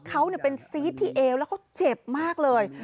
เขาเป็นซีดที่เอวแล้วเขาเจ็บมากเลย